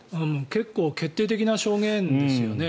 結構決定的な証言ですよね。